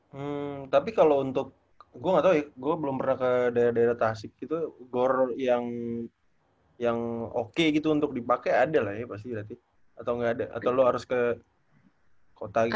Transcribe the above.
hmm tapi kalau untuk gue gak tau gue belum pernah ke daerah daerah tasik gitu gor yang oke gitu untuk dipakai ada lah ya pasti berarti atau nggak ada atau lo harus ke kota gitu